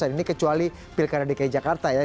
ini kecuali pilkada dki jakarta ya